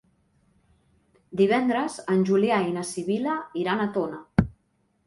Divendres en Julià i na Sibil·la iran a Tona.